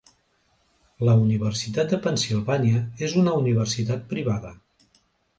La Universitat de Pennsilvània és una universitat privada.